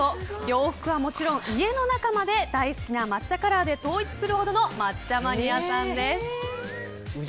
洋服はもちろん家の中まで大好きな抹茶カラーで統一するほどの抹茶マニアさんです。